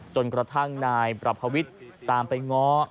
จนกระทั่งนายปรับภวิษตามไปง้อ